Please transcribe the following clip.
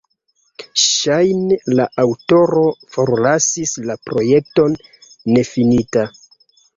Ŝajne la aŭtoro forlasis la projekton nefinita.